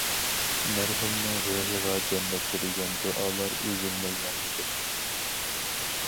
مەرھۇمنىڭ روھىغا جەننەت تىلىگەن دۇئالار ئۈزۈلمەي ياڭرىدى.